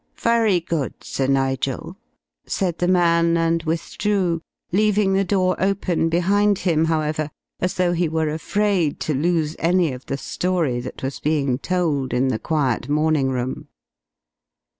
"Very good, Sir Nigel," said the man and withdrew, leaving the door open behind him, however, as though he were afraid to lose any of the story that was being told in the quiet morning room.